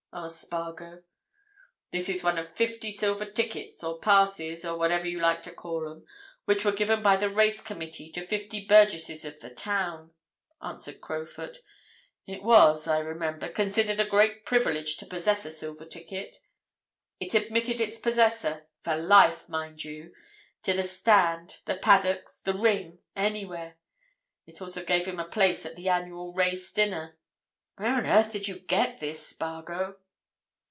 asked Spargo. "This is one of fifty silver tickets, or passes, or whatever you like to call 'em, which were given by the race committee to fifty burgesses of the town," answered Crowfoot. "It was, I remember, considered a great privilege to possess a silver ticket. It admitted its possessor—for life, mind you!—to the stand, the paddocks, the ring, anywhere. It also gave him a place at the annual race dinner. Where on earth did you get this, Spargo?"